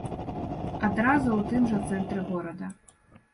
Адразу ў тым жа цэнтры горада.